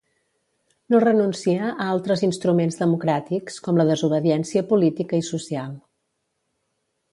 No renuncia a altres instruments democràtics, com la desobediència política i social.